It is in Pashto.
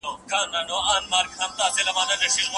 پلان مو د ژوند د هدفونو لپاره اړین دی.